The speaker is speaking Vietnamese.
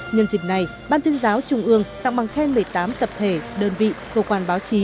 nhân dịp này ban tuyên giáo trung ương tặng bằng khen một mươi tám tập thể đơn vị cơ quan báo chí